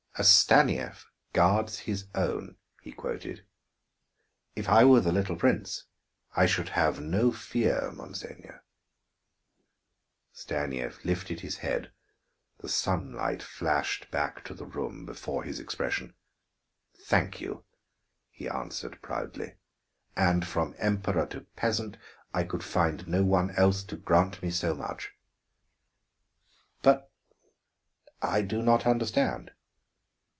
"'A Stanief guards his own'," he quoted. "If I were the little prince, I should have no fear, monseigneur." Stanief lifted his head, the sunlight flashed back to the room before his expression. "Thank you," he answered proudly. "And from emperor to peasant I could find no one else to grant me so much." "But I do not understand."